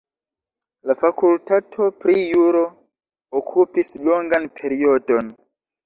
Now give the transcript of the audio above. La fakultato pri juro okupis longan periodon.